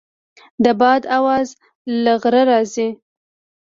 د باد اواز له غره راځي.